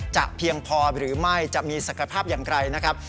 เพียงพอหรือไม่จะมีศักยภาพอย่างไรนะครับ